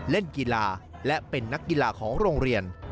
เล่นกีฬาและเป็นนักกีฬาของโรงเรียน